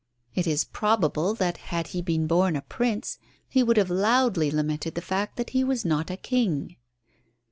It is probable that had he been born a prince he would have loudly lamented the fact that he was not a king.